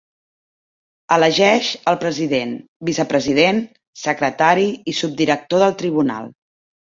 Elegeix el president, vicepresident, secretari i subdirector del tribunal.